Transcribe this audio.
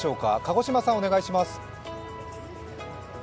籠島さん、お願いします。